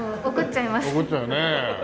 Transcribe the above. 怒っちゃうよね。